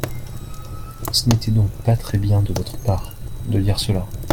Ce n’était donc pas très bien de votre part de dire cela.